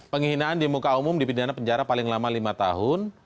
penghinaan di muka umum dipidana penjara paling lama lima tahun